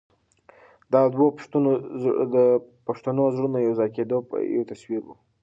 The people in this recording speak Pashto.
دا د دوو پښتنو زړونو د یو ځای کېدو یو تصویر و.